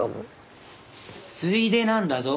ついでなんだぞ。